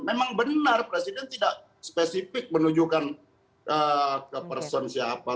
memang benar presiden tidak spesifik menunjukkan ke person siapa